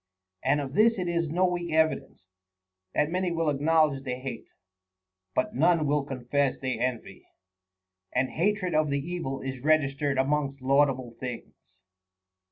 And of this it is no weak evidence, that many will acknowledge they hate, but none will confess they envy ; and hatred of the evil is registered amongst laudable things.